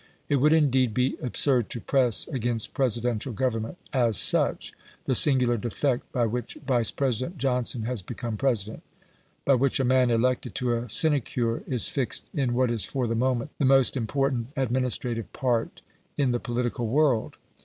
It would, indeed, be absurd to press against Presidential government AS SUCH the singular defect by which Vice President Johnson has become President by which a man elected to a sinecure is fixed in what is for the moment the most important administrative part in the political world.